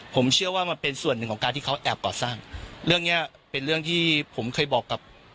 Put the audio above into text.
ผมเชื่อว่ามันเป็นส่วนหนึ่งของการที่เขาแอบก่อสร้างเรื่องเนี้ยเป็นเรื่องที่ผมเคยบอกกับ